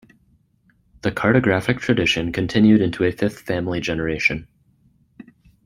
The cartographic tradition continued into a fifth family generation.